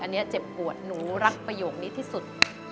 อันนี้เจ็บปวดหนูรักประโยคนี้ที่สุด